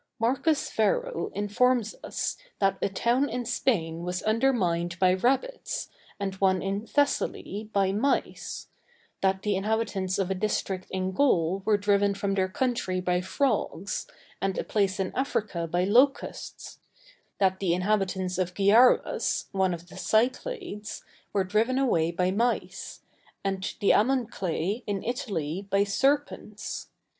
Marcus Varro informs us, that a town in Spain was undermined by rabbits, and one in Thessaly, by mice; that the inhabitants of a district in Gaul were driven from their country by frogs, and a place in Africa by locusts; that the inhabitants of Gyarus, one of the Cyclades, were driven away by mice; and the Amunclæ, in Italy, by serpents.